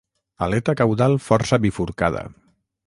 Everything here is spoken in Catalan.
Aleta caudal força bifurcada.